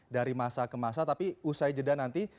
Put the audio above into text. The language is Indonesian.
dari masa ke masa tapi usai jeda nanti